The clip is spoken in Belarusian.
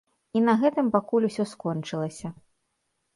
І на гэтым пакуль усё скончылася.